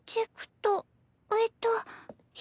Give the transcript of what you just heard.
えっと。